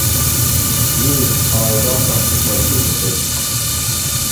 Youth are welcome to participate.